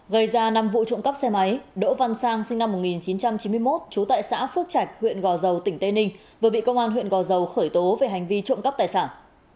gây ra năm vụ trộm cắp xe máy đỗ văn sang sinh năm một nghìn chín trăm chín mươi một trú tại xã phước trạch huyện gò dầu tỉnh tây ninh vừa bị công an huyện gò dầu khởi tố về hành vi trộm cắp tài sản